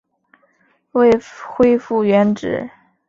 未恢复原职